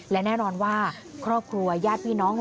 และแน่นอนว่าครอบครัวญาติพี่น้อง